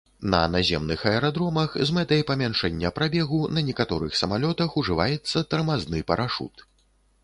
На наземных аэрадромах з мэтай памяншэння прабегу на некаторых самалётах ўжываецца тармазны парашут.